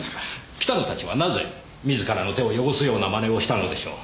北野たちはなぜ自らの手を汚すような真似をしたのでしょう？